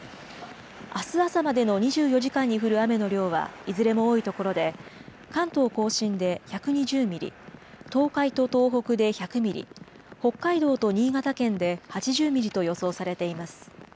あす朝までの２４時間に降る雨の量は、いずれも多い所で、関東甲信で１２０ミリ、東海と東北で１００ミリ、北海道と新潟県で８０ミリと予想されています。